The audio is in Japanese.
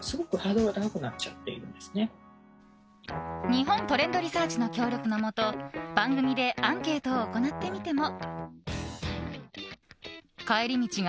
日本トレンドリサーチの協力のもと番組でアンケートを行ってみても。